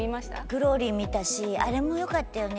『グローリー』見たしあれも良かったよね。